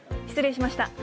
失礼しました。